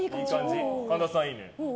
神田さん、いいね。